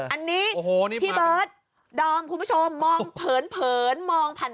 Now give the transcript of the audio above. อันนี้พี่เบิร์ดดอมคุณผู้ชมมองเผินมองผ่าน